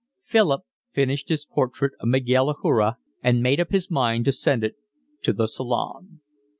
Philip finished his portrait of Miguel Ajuria and made up his mind to send it to the Salon.